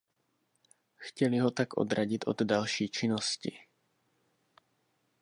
Chtěli ho tak odradit od další činnosti.